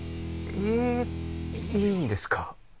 えっいいんですか？